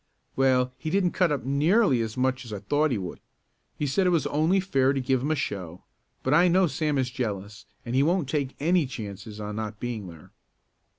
"Well, he didn't cut up nearly as much as I thought he would. He said it was only fair to give him a show, but I know Sam is jealous and he won't take any chances on not being there."